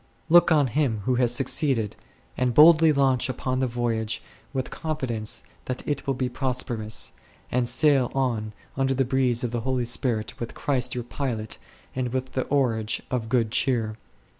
Look on him who has suc ceeded, and boldly launch upon the voyage with confidence that it will be prosperous, and sail on under the breeze of the Holy Spirit with Christ your pilot and with the oarage of good cheer 9.